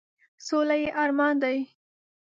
سوله یې ارمان دی ،.